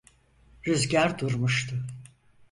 Rüzgâr durmuştu.